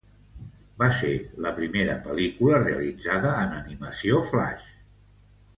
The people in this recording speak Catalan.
Va ser la primera pel·lícula realitzada en animació flash.